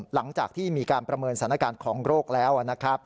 หลังจากที่มีการประเมินสถานการณ์ของโรคแล้วนะครับ